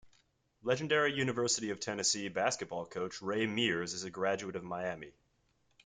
Legendary University of Tennessee basketball coach Ray Mears is a graduate of Miami.